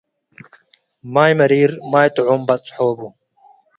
. ማይ መሪር ማይ ጥዑም በጸሖ ቡ፣